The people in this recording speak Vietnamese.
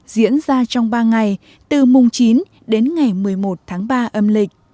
diễn ra trong ba ngày từ mùng chín đến ngày một mươi một tháng ba âm lịch